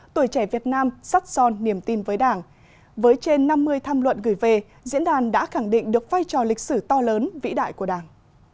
tuổi trẻ việt nam sắt son niềm tin với đảng với trên năm mươi tham luận gửi về diễn đàn đã khẳng định được vai trò lịch sử to lớn vĩ đại của đảng